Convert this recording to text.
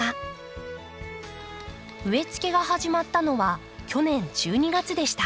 植え付けが始まったのは去年１２月でした。